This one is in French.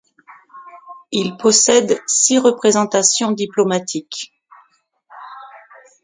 Il possède six représentations diplomatiques.